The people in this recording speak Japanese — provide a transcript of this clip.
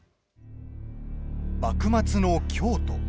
幕末の京都。